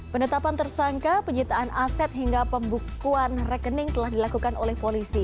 pendetapan tersangka penyitaan aset hingga pembukuan rekening telah dilakukan oleh polisi